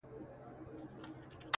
چا له وهمه ورته سپوڼ نه سو وهلای؛